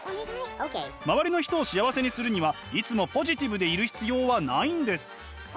周りの人を幸せにするにはいつもポジティブでいる必要はないんです。